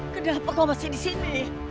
kenapa kau masih disini